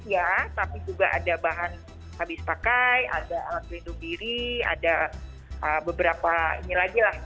ya tapi juga ada bahan habis pakai ada alat pelindung diri ada beberapa ini lagi lah